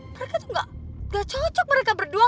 mereka tuh gak cocok mereka berdua